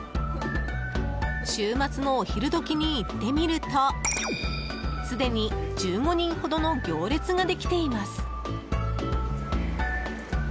週末のお昼どきに行ってみるとすでに１５人ほどの行列ができています。